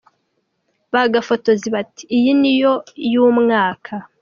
Ba gafotozi bati "Iyi yo ni iy'umwaka".